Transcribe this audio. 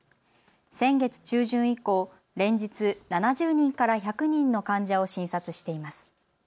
先月中旬以降、連日７０人から１００人の患者を診察しています。